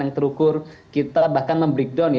yang terukur kita bahkan membreakdown